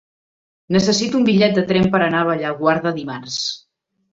Necessito un bitllet de tren per anar a Bellaguarda dimarts.